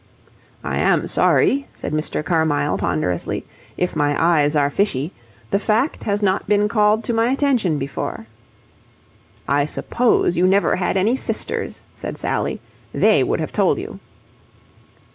"I am sorry," said Mr. Carmyle ponderously, "if my eyes are fishy. The fact has not been called to my attention before." "I suppose you never had any sisters," said Sally. "They would have told you."